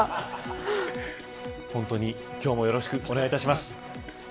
本当に今日もよろしくお願いいたします。